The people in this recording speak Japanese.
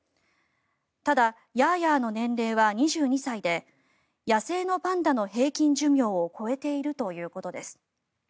ただ、ヤーヤーの年齢は２２歳で野生のパンダの平均寿命を超えているということです。